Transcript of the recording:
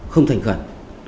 không thành khẩn